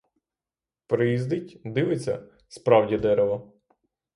Приїздить, дивиться — справді дерево.